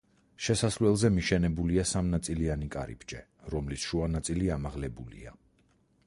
შესასვლელზე მიშენებულია სამნაწილიანი კარიბჭე, რომლის შუა ნაწილი ამაღლებულია.